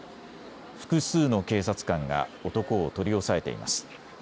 複数の警察官が男を取り押さえています。